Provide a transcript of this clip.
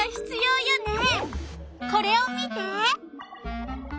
これを見て。